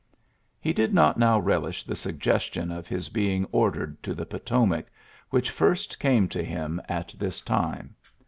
He did not now relish the suggestion of his being ordered to the FotomaC; which first came to him at this time.